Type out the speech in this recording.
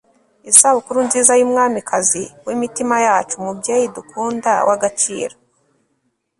isabukuru nziza yumwamikazi wimitima yacu, mubyeyi dukunda, wagaciro